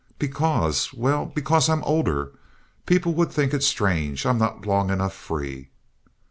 "Because—well, because I'm older. People would think it strange. I'm not long enough free."